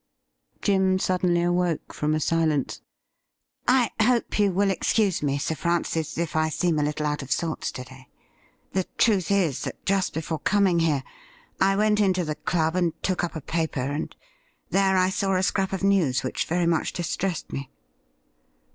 Jim suddenly awoke from a silence. ' I hope you will excuse me. Sir Francis, if I seem a little out of sorts to day. The truth is, that just before coming here I went into the club and took up a paper, and there I saw a scrap of news which very much distressed me.'